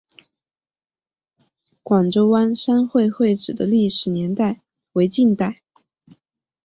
广州湾商会会址的历史年代为近代。